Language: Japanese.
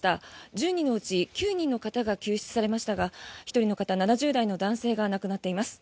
１０人のうち９人の方が救出されましたが１人の方、７０代の男性が亡くなっています。